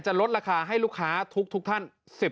ลดราคาให้ลูกค้าทุกท่าน